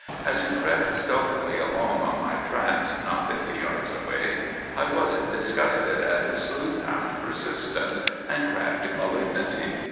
As he crept stealthily along on my tracks, not fifty yards away, I was disgusted at his sleuth hound persistence and crafty malignity.